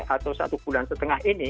atau satu bulan setengah ini